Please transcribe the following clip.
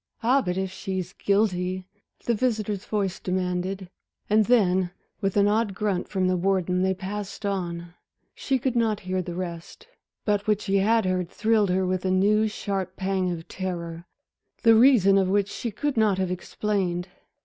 "Ah, but if she's guilty," the visitor's voice demanded. And then, with an odd grunt from the warden, they passed on. She could not hear the rest. But what she had heard thrilled her with a new, sharp pang of terror, the reason of which she could not have explained.